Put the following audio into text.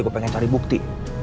gue pengen cari bukti